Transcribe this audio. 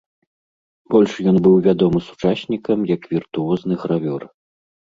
Больш ён быў вядомы сучаснікам як віртуозны гравёр.